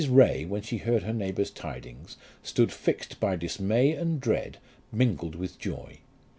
Ray, when she heard her neighbour's tidings, stood fixed by dismay and dread, mingled with joy.